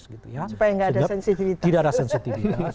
supaya tidak ada sensitivitas